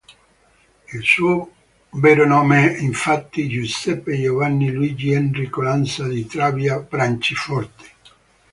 Il suo vero nome è infatti Giuseppe Giovanni Luigi Enrico Lanza di Trabia-Branciforte.